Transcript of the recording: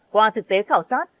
qua thực tế khảo sát